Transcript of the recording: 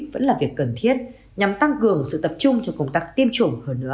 vẫn là việc cần thiết nhằm tăng cường sự tập trung cho công tác tiêm chủng hơn nữa